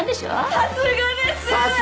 さすがです！